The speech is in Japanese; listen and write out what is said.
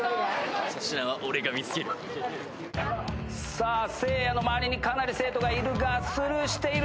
さあせいやの周りにかなり生徒がいるがスルーしている。